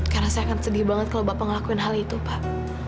karena saya akan sedih banget kalau bapak ngelakuin hal itu pak